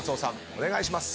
お願いします。